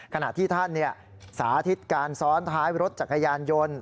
ขณะที่ท่านสาธิตการซ้อนท้ายรถจักรยานยนต์